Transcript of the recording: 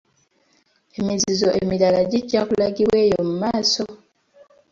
Emizizo emirala gijja kulagibwa eyo mu maaso.